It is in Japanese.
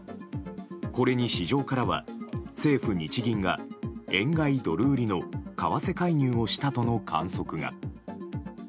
これに市場からは、政府・日銀が円買いドル売りの為替介入をしたとの観測が。